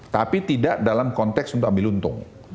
tapi tidak dalam konteks untuk ambil untung